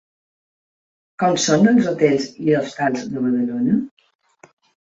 Com són els hotels i hostals de Badalona?